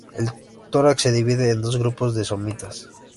El tórax se divide en dos grupos de somitas.